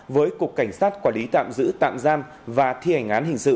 với cục cảnh sát quản lý tạm giữ tạm giam và thi hành án hình sự